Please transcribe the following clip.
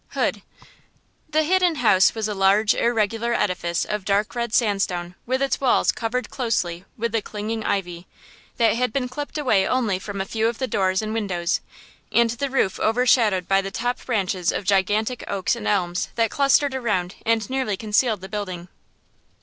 –HOOD. THE Hidden House was a large, irregular edifice of dark red sandstone with its walls covered closely with the clinging ivy, that had been clipped away only from a few of the doors and windows, and its roof over shadowed by the top branches of gigantic oaks and elms that clustered around and nearly concealed the building.